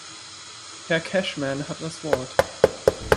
Herr Cashman hat das Wort.